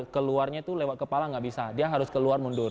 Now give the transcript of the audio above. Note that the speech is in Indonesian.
keluarnya itu lewat kepala nggak bisa dia harus keluar mundur